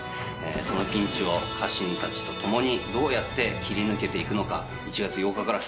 そのピンチを家臣たちと共にどうやって切り抜けていくのか。